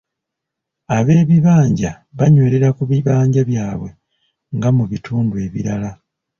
Ab’ebibanja banywerera ku bibanja byabwe nga mu bitundu ebirala.